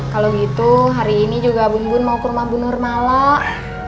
kalau gitu hari ini juga bun bun mau ke rumah bunur malak